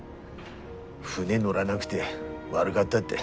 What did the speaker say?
船乗らなくて悪がったって。